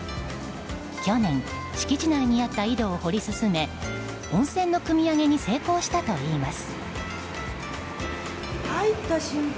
去年、敷地内にあった井戸を掘り進め温泉のくみ上げに成功したといいます。